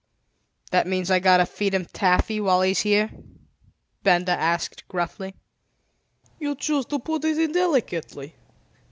"That means I've got to feed him taffy while he's here?" Benda asked gruffly. "You choose to put it indelicately.